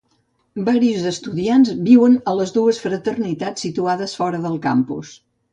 Varis estudiants viuen a les dues fraternitats situades fora del campus.